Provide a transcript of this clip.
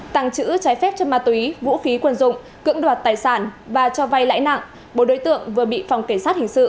tàng trữ trái phép cho ma túy vũ khí quân dụng cưỡng đoạt tài sản và cho vay lãi nặng bộ đối tượng vừa bị phòng cảnh sát hình sự